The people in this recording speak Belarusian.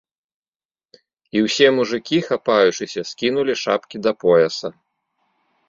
І ўсе мужыкі, хапаючыся, скінулі шапкі да пояса.